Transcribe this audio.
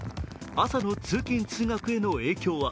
朝の通勤・通学への影響は？